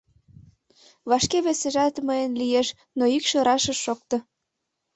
Вашке весыжат мыйын лиеш, но йӱкшӧ раш ыш шокто.